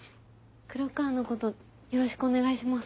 黒川のことよろしくお願いします。